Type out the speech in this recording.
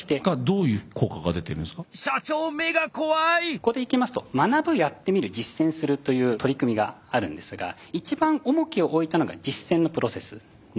ここでいきますと学ぶやってみる実践するという取り組みがあるんですが一番重きをおいたのが実践のプロセスです。